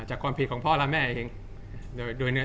จากความไม่เข้าจันทร์ของผู้ใหญ่ของพ่อกับแม่